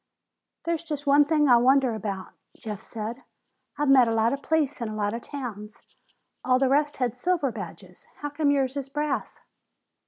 "There's just one thing I wonder about," Jeff said. "I've met a lot of police in a lot of towns. All the rest had silver badges. How come yours is brass?"